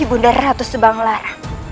ibu nda ratu subang lara